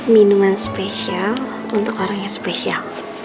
minuman spesial untuk orang yang spesial